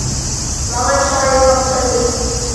Малай-шалай халҡы ни!